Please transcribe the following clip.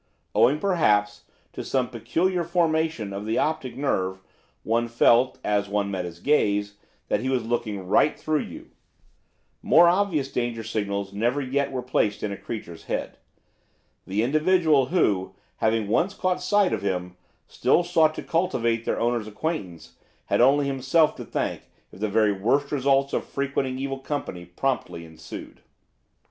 Owing, probably, to some peculiar formation of the optic nerve one felt, as one met his gaze, that he was looking right through you. More obvious danger signals never yet were placed in a creature's head. The individual who, having once caught sight of him, still sought to cultivate their owner's acquaintance, had only himself to thank if the very worst results of frequenting evil company promptly ensued.